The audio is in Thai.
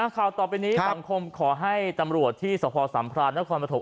ข้าวต่อไปนี้ปังคมขอให้ตำรวจที่สภสัมพาณณ์และความพนธมอบ